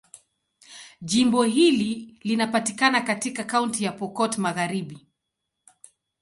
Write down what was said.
Jimbo hili linapatikana katika Kaunti ya Pokot Magharibi.